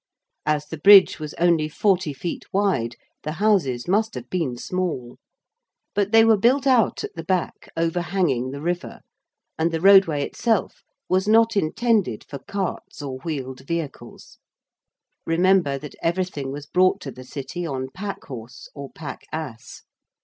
As the Bridge was only 40 feet wide the houses must have been small. But they were built out at the back overhanging the river, and the roadway itself was not intended for carts or wheeled vehicles. Remember that everything was brought to the City on pack horse or pack ass.